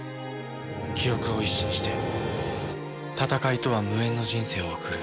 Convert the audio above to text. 記憶を一新して戦いとは無縁の人生を送る。